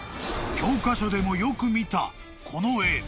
［教科書でもよく見たこの絵］